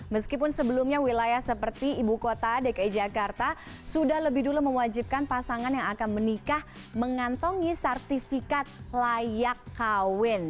meskipun sebelumnya wilayah seperti ibu kota dki jakarta sudah lebih dulu mewajibkan pasangan yang akan menikah mengantongi sertifikat layak kawin